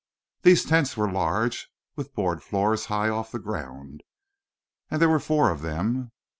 These tents were large, with broad floors high off the ground, and there were four of them.